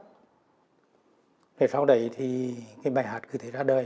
ngày sau đấy thì cái bài hát cứ thể ra đời